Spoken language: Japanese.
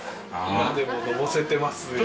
今でものぼせてますよ。